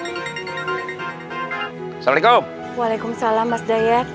assalamualaikum waalaikumsalam mas dayat